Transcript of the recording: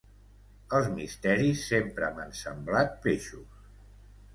Els misteris sempre m'han semblat peixos.